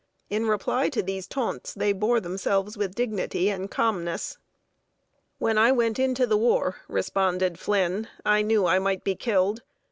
In reply to these taunts, they bore themselves with dignity and calmness. "When I went into the war," responded Flynn, "I knew I might be killed.